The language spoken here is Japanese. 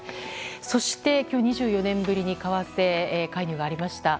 そして、今日２４年ぶりに為替介入がありました。